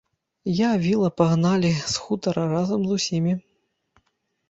Я віла пагналі з хутара разам з усімі.